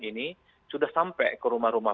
ini sudah sampai ke rumah rumah